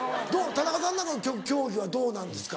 田中さんなんかの競技はどうなんですか？